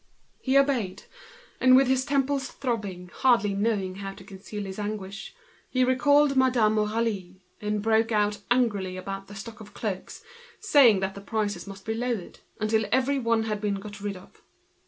He obeyed; and with his temples throbbing, hardly knowing how to conceal his anguish, he recalled Madame Aurélie, and broke out angrily about the stock of cloaks, saying that the prices must be lowered, until everyone had been got rid of.